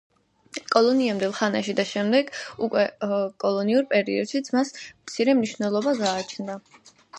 კოლონიამდელ ხანაში და შემდეგ უკვე კოლონიურ პერიოდშიც მას მცირე მნიშვნელობა გააჩნდა.